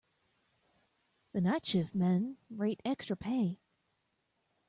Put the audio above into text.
The night shift men rate extra pay.